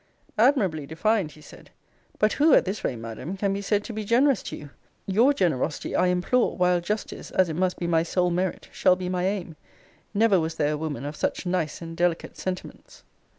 Admirably defined! he said But who, at this rate, Madam, can be said to be generous to you? Your generosity I implore, while justice, as it must be my sole merit, shall be my aim. Never was there a woman of such nice and delicate sentiments!